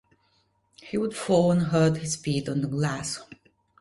He would fall and hurt his feet on the glass.